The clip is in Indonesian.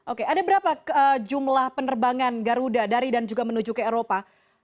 oke ada berapa jumlah penerbangan garuda dari dan juga menuju ke eropa